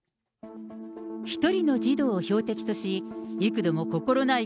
１人の児童を標的とし、幾度も心ない